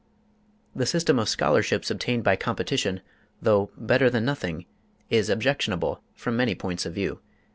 The system of scholarships obtained by competition, though better than nothing, is objectionable from many points of view.